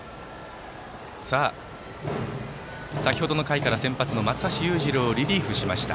先程の回から先発の松橋裕次郎をリリーフしました。